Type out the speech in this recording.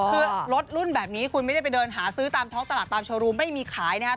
คือรถรุ่นแบบนี้คุณไม่ได้ไปเดินหาซื้อตามท้องตลาดตามโชว์รูมไม่มีขายนะครับ